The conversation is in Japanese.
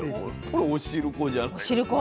これおしるこじゃないですか？